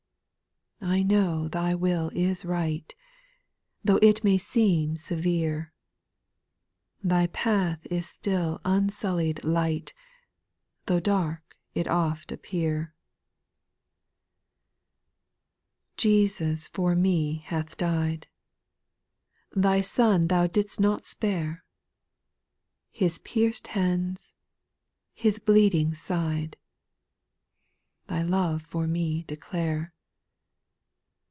4. \ I know Thy will is right. Though it may seem severe ; Thy path is still unsullied light, Though dark it oft appear, i 5. Jesus for me hath died ; Thy Bon Thou did'st not spare ; His pierced hands. His bleeding side, Thy love for me declare.